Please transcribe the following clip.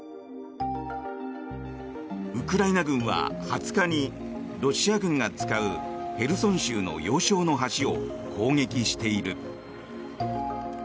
ウクライナ軍は２０日にロシア軍が使うヘルソン州の要衝の橋を攻撃している。